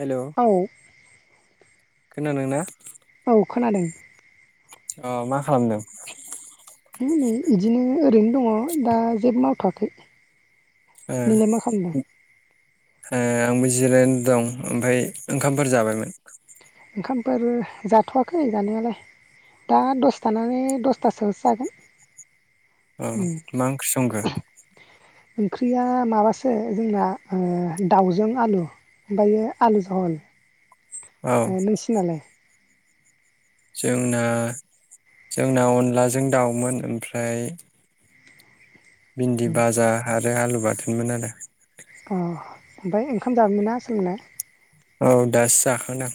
Hello औ खोनादोंना? औ खोनादों । अ मा खालामदों? नै इदिनो ओरैनो दङ दा जेबो मावथ'वाखै । नोंलाय मा खालामदों? ए आंबो जिरायनो दं ओमफ्राय ओंखामफोर जाबायमोन । ओंखामफोर जाथ'वाखै जानायालाय दा दसे थानानै दसथासोआवसो जागोन । औ मा ओनख्रि संखौ? ओंख्रिया माबासो जोंना ओ दाउजों आलु ओमफ्रायो आलु जहल औ नोंसिनालाय जोंना जोंना अनलाजों दाउमोन ओमफ्राय भिनदि बाजा ओमफ्राय आलु बाथोनमोन आरो अ ओमफ्राय ओंखाम जाबायमोनना आसोलमोना? औ दासो जाखांदों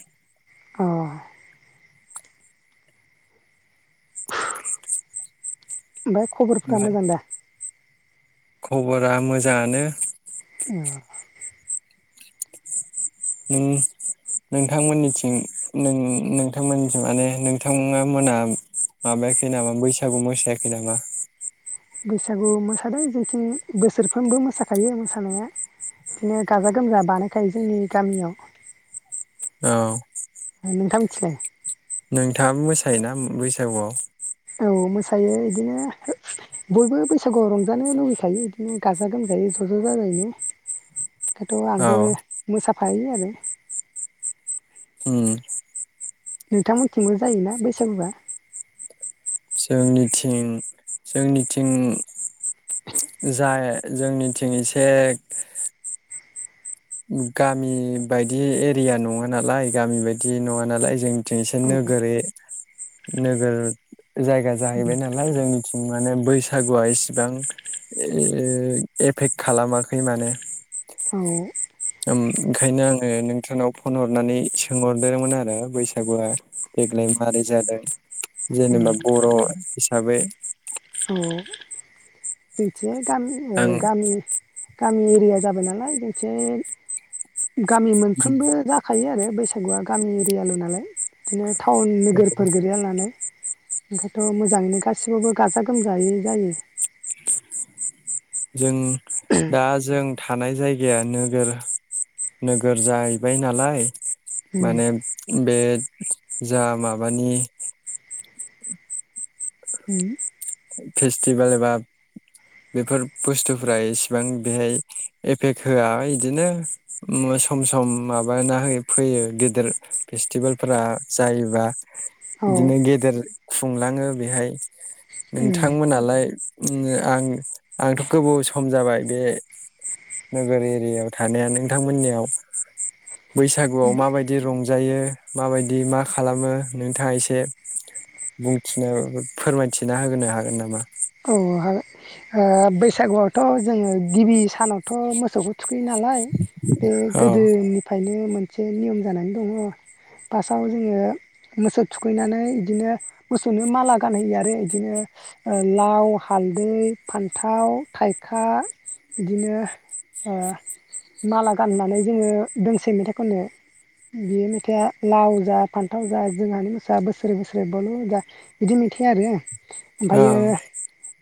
अ ओमफ्राय खबरफोरा ओमफ्राय मोजां दा खबरा मोजाङानो अ नों नोंथांमोननिथिं नों-नोंथांमोनथिं माने नोंथांमोना माबायाखै नामा बैसागु मोसायाखै नामा? बैसागु मोसादों जेथिं बोसोरफ्रोमबो मोसाखायो मोसानाया बिदिनो गाजा गोमजा बानायखायो जोंनि गामियाव औ ओ नोंथां मोथिलाय नोंथाङाबो मोसायोना बैसागुआव? औ मोसायो इदिनो बयबो बैसागुआव रंजानो लुुबैखायो बिदिनो गाजा गोमजायै ज' ज' जाजायनो। दाथ' औ आंबो मोसा फायो आरो। उम नोंथांमोनथिंबो जायोना बैसागुआ? जोंनिथिं जोंनिथिं जाय जोंनिथिं एसे गामि बायदि एरिया नङा नालाय गामि बायदि नङा नालाय जों थिं एसे औ नोगोर ए नोगोर जायगा जाहैबाय नालाय जोंनि माने बैसागुआ इसिबां ए ओ एफेक्ट खालामाखै माने। औ उम ओंखायनो आङो नोंथांनाव फन हरनानै सोंहरदोमोन आरो बैसागुआ देग्लाय मारै जादों जेनेबा बर' हिसाबै [unintelligible] गामि ओ आं गामि गामि एरिया जाबाय नालाय जोंथिं गामि मोनफ्रोमबो जाखायो आरो बैस सागुआ गामि एरियाल' नालाय बिदिनो टाउन नोगोरफोर गोलैया नालाय। ओंखायथ' मोजाङैनो गासिबावबो गाजा गोमजायै जायो। जों दा जों थानाय जायगाया नोगोर नोगोर जाहैबाय नालाय उम माने बे जा माबानि उम फेस्टिभेल एबा बेफोर बुस्थुफ्रा इसेबां बेहाय एफेक्ट होआ इदिनो मो सम सम माबाना होयो फैयो गेदेर फेस्टिभेलफोरा जायोबा औ इदिनो गेदेर खुंलाङो बेहाय उम नोंथांमोनालाय उम आं आंथ' गोबाव सम जाबाय बेहाय नोगोर एरियायाव थानाया नोंथांमोननियाव बैसागुआव माबायदि रंजायो माबायदि मा खालामो नोंथाङा एसे बुंथिनो फोरमायथिना हो होनो हागोन नामा? औ ओ बैसागुआवथ' जोङो गिबि सानावथ' मोसौखौ थुखैयो नालाय बे औ गोदोनिफायनो मोन से नियम जानानै दङ फार्टआव जोङो मोसौ थुखैनानै इदिनो मोसौनो माला गानहैयो आरो इदिनो ओ लाव हालदै फान्थाव थाइखा बिदिनो ओ माला गाननानै जोङो दोंसै मेथाइ खनो बे मेथाइआ लाव जा फान्थाव जा जोंहानि मोसा बोसोरे बोसोरै बल' जा बिदि मेथाइ आरो । ओमफायो ओं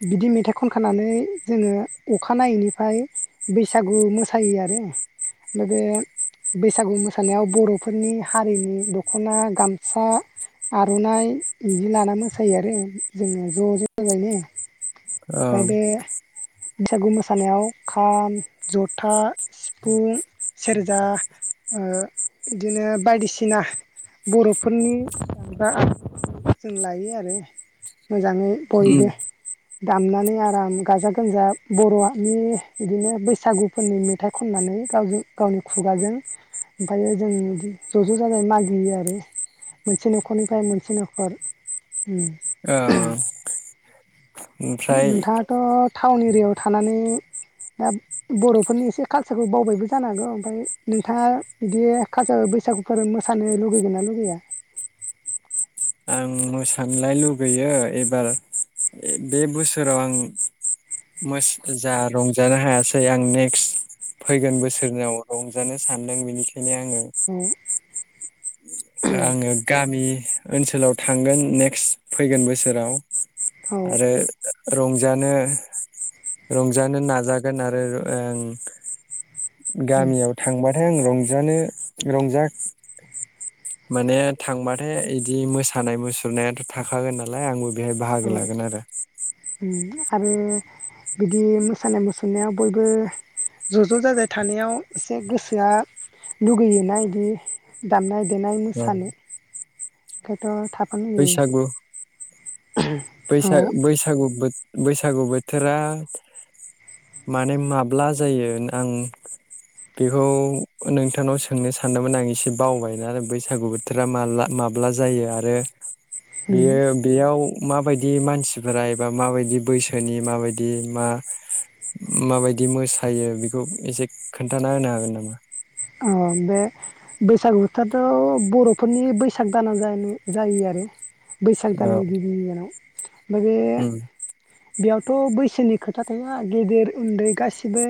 बिदि मेथाइ खनखानानै जोङो अखानायैनिफ्राय बैसागु मोसायो आरो ओमफ्राय बे बैसागु मोसानायाव बर'फोरनि हारिनि दख'ना गामसा आर'नाइ बिदि लाना मोसायो आरो जोङो ज' ज' जाजायनो ओमफ्राय औ बे बैसागु मोसानायाव खाम जथा सिफुं सेरजा ओ इदिनो बायदिसिना बर'फोरनि [unintelligible] जों लायो आरो मोजाङै उम बयबो । दामनानै आराम गाजा गोमजा बर'नि बिदिनो बैसागुफोरनि मेथाइ खननानै गावजों गावनि खुगाजों ओमफ्रायो जों बिदि ज' ज' जाजाय मागियो आरो मोनसे न'खरनिफ्राय मोनसे न'खर ओ ओमफ्राय नोंथाङाथ' टाउन एरियाायाव थानानै दा बर'फोरनि एसे कालसारखौ बावबायबो जानो हागौ ओमफाय नोंथाङा बिदि कालसार बैसागुफोर मोसानो लुगैगोन ना लुगैया? आं मोसानोलाय लुगैयो एबार बे बोसोराव आं जा रंजानो हायासै आं नेक्स्ट फैगोन बोसोरनाव रंजानो सानदों बेनिखायनो यनो आङो औ आङो गामि ओनसोलाव थांगोन नेक्स्ट फैगोन बोसोराव औ आरो रंजानो रंजानो नाजागोन आरो ओ गामियाव थांबा आं रंजानो रंजा माने थांबथाय बिदि मोसानाय मुसुरनायाथ' थाखागोन नालाय आंबो बेहाय औ बाहागो लागोन आरो आरो बिदि मोसानाय मुसुरनायाव बयबो ज' ज' जाजाय थानायाव एसे गोसोआ लुगैयोना बिदि दामनाय देनाय औ मोसानो ओंखायनोथ' [unintelligible] बैसाग बैसागु बोथोर बैसागु बोथोरा माने माब्ला जायो आं बेखौ नोंथांनाव सोंनो सानदोंमोन आं एसे बावबायना बैसागु बोथोरा माब्ला माब्ला जायो आरो बेयो बेयाव माबायदि मानसिफोरा एबा माबायदि बैसोनि माबायदि मा माबायदि मोसायो बेखौ एसे खोन्थाना होनो हागोन नामा? अ बे बैसागु बोथोरथ' बर'फोरनि बैसाग दानाव जायो आरो बैसाग दाननि उम गिबिनि दिनाव माने बेयावथ' बैसोनि खोथा थाया गेदेर उन्दै गासिबो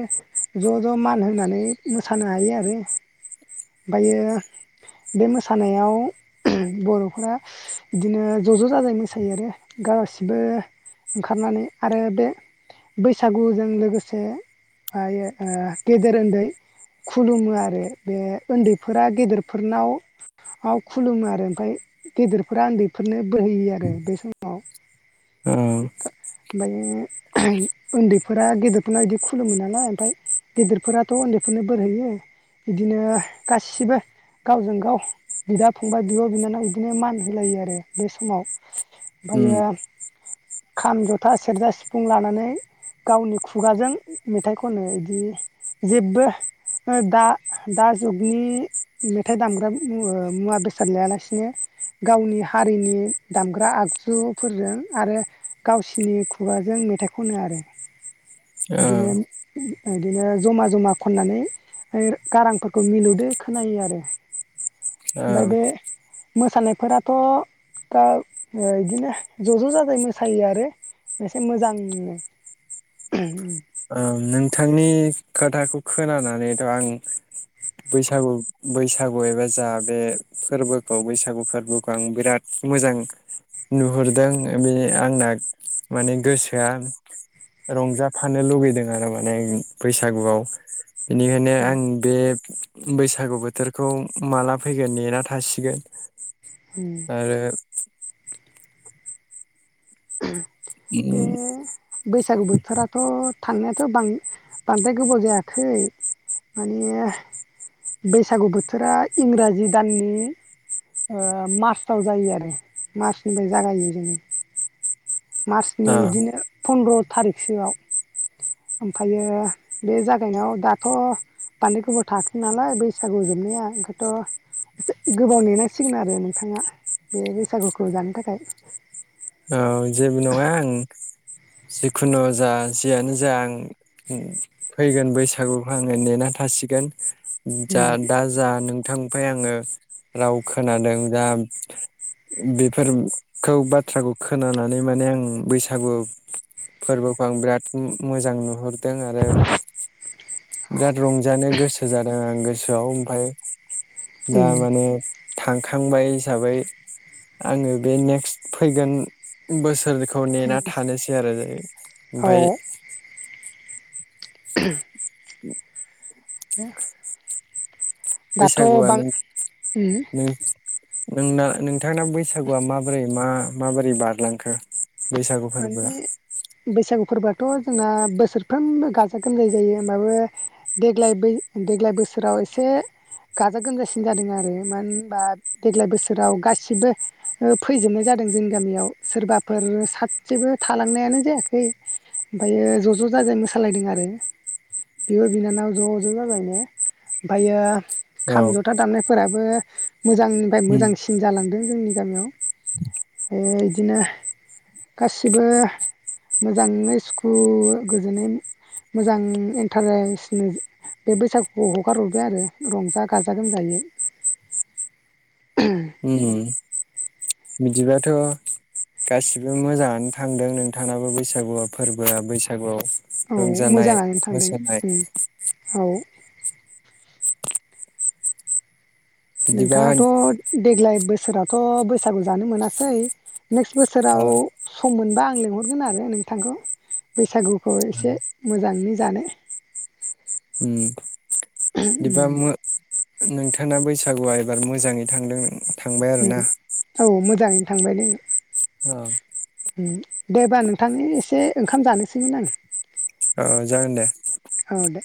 ज' ज' मान होनानै मोसानो हायो आरो ओमफ्रायो बे मोसानाय आरो बे उन्दैफोरा गेदेरफोरनाव खुलुमो आरो ओमफ्राय गेदेरफोरा उन्दैफोरनो बोर होयो आरो बे समाव । ओं ओमफ्राय उन्दैफोरा गेदेरफोरना बिदि खुलुमो नालाय ओमफ्राय गेदिरफोराथ' उन्दैफोरनो बोर होयो । बिदिनो गासिबो गावजों गाव बिदा फंबाय बिब' बिनानाव बिदिनो मान होलायो आरो बे समाव उम ओमफ्रायो खाम जथा सेरजा सिफुं लानानै गावनि खुगाजों मेथाइ खनो बिदि जेबबो दा दा जुगनि मेथाइ दामग्रा मुवा बेसाद लायालासिनो गावनि हारिनि दामग्रा आगजुफोरजों आरो गावसिनि खुगाजों मेथाइ खनो आरो। ओं बिदिनो बिदिनो जमा जमा खननानै गारांफोरखौ मिलौदो खोनायो आरो। ओमफ्राय ओं बे मोसानायफोराथ दा बिदिनो ज ज जाजाय मोसायो आरो एसे मोजांनो। ओं नोंथांनि खोथाखौ खोनानानैथ आं बैसागु बैसागु एबा जा बे फोरबोखौ बैसागु फोरबोखौ आं बिराद मोजां नुहुरदों बे आंना माने गोसोआ रंजाफानो लुुबैदों आरो मा नै बैसागुआव बेनिखायनो औ आं बे बैसागु बोथोरखौ माला फैगोन नेना थासिगोन। उम आरो बे बैसागु बोथोराथ थांनायाथ बांद्राय गोबाव जायाखै। माने बैसागु बोथोरा इंराजि दाननि मार्चआव जायो आरो मार्चनिफ्राय जागाय जेनो। मार्चनि ओ बिदिनो फन्द्र थारिखसोआव ओमफ्रायो बे जागायनायाव दाथ बान्दो गोबाव थायाखै नालाय बैसागु जोबनाया ओंखायथ एसे गोबाव नेनांसिगोन आरो नोंथाङा बे बैसागुखौ जानो थाखाय औ जेबो नङा आं जिखुनु जा जियानो जा आं फैगोन बैसागुखौ आङो नेना थासिगोन। जा उम दा जा नों बिथांनिफ्राय आङो राव खोनादों दा बेफोरखौ बा थ्राखौ खोनानानै माने आं बैसागु फोरबोखौ आं बिराद मोजां नुहुर दों आरो बिराद रंजानो गोसो जादों आं। गोसोआव ओमफाय दा उम माने थां खांबाय हिसाबै आङो बे नेक्स्ट फैगोन बोसोर बेखौ नेना थानोसै आरो ज औ ओमफाय [unintelligible] न [unintelligible] हो दाथ बां बैसागुआनो नों नोंना नोंथांना बैसागुआ माबोरै मा माबोरै बारलांखो? बैसागु फोरबोआ माने बैसागु फोरबाथ जोंना बोसोरफ्रोमबो गाजा गोमजायै जायो होमबाबो देग्लाय बै देग्लाय बोसोराव एसे गाजा गोमजासिन जादों आरो। मानो होनबा देग्लाय बोसोराव गासिबो फैजोबनाय जादों जोंनि गामियाव सोरबाफोर सा सेबो थालांनायानो जायाखै ओमफायो ज ज जाजायनो मोसालायदों आरो बिब' बिनानाव ज ज जाजायनो ओमफायो औ खाम जथा दामनाय फोराबो मोजांनिफाय मोजांसिन जालांदों। जोंनि गामियाव ओ बिदिनो गासिबो मोजाङैनो स्कुल गोजोनै मोजां इन्टारेस्टनो बे बैसागुखौ हगारहरबाय आरो रंजा गाजा गोमजायै। उम बिदिबाथ गासिबो मोजाङानो थांदों नोंथाङाबो बैसागुआ फोरबोआ बैसागुआव औ रंजानाय मोजाङानो थांदों मोसानाय औ। बिदिबा नोंथाङाथ देग्लाय बोस सोरावथ बैसागु जानो मोनासै। नेक्स्ट बोसोराव सम मोनबा आं लिंहरगोन आरो नोंथांखौ बैसागुखौ एसे मोजाङैनो जानो। उम बिदिबा उम मो नोंथांना बैसागुआ एबार मोजाङै थांदों। थांबाय आरोना? उम औ मोजां थांबाय नै औ देबा नोंथांनि एसे ओंखाम जानोसैमोन आं। ओ जागोन दे। औ दे